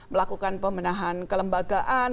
melakukan pemenahan kelembagaan